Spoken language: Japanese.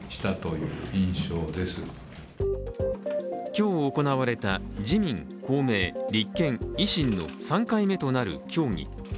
今日行われた自民、公明、立憲、維新の３回目となる協議。